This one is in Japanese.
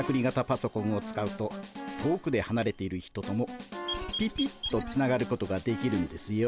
パソコンを使うと遠くではなれている人ともピピッとつながることができるんですよ。